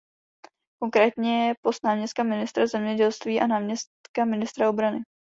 Konkrétně post náměstka ministra zemědělství a náměstka ministra obrany.